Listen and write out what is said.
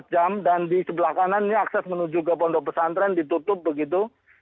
empat jam dan di sebelah kanan ini akses menuju ke pondok pesantren ditutup begitu